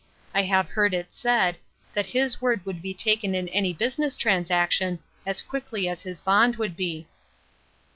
I have heard it said, that his word would be taken in any business transaction as quickly as his bond would be."